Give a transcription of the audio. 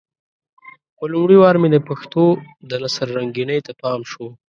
په لومړي وار مې د پښتو د نثر رنګينۍ ته پام شو.